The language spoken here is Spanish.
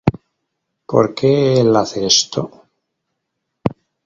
Porque el hacer esto?